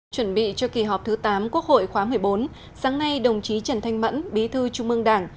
chuẩn bị cho kỳ họp thứ tám quốc hội khóa một mươi bốn sáng nay đồng chí trần thanh mẫn bí thư trung mương đảng